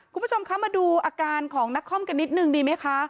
คุณผู้ชมคะมาดูอาการของนักคอมกันนิดนึงดีไหมคะ